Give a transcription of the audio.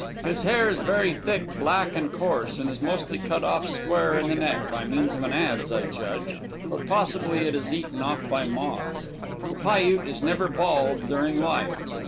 His hair is very thick, black and coarse, and is mostly cut off square in the neck, by means of an adz, I judge, or possibly it is eaten off by moths. The Piute is never bald during life.